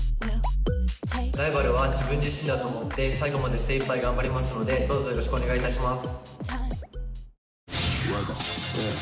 ライバルは自分自身だと思って最後まで精いっぱい頑張りますのでどうぞよろしくお願いいたします。